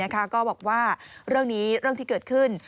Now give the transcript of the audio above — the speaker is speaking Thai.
ก็บอกว่าเรื่องนี้เรื่องที่เกิดขึ้น